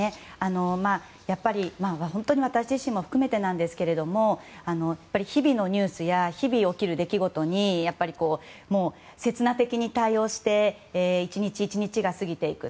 やっぱり、本当に私自身も含めてなんですが日々のニュースや日々起きる出来事に刹那的に対応して１日１日が過ぎていく。